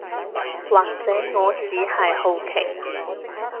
或者我只係好奇